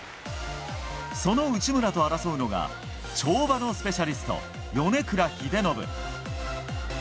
その内村と争うのが跳馬のスペシャリスト、米倉英信。